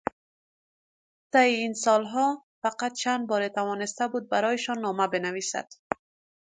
طی این سالها فقط چند باری توانسته بود برایشان نامه بنویسد.